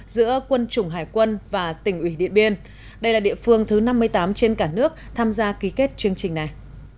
giữa quân chủng hải quân và tỉnh ủy điện biên đây là địa phương thứ năm mươi tám trên cả nước tham gia ký kết chương trình này